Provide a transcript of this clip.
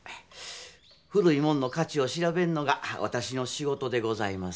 古いもんの価値を調べんのがわたしの仕事でございます。